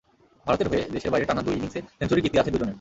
ভারতের হয়ে দেশের বাইরে টানা দুই ইনিংসে সেঞ্চুরির কীর্তি আছে দুজনের।